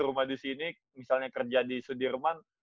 rumah di sini misalnya kerja di sudirman